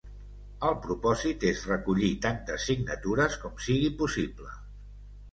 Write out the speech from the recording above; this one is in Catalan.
El propòsit és recollir tantes signatures com sigui possible.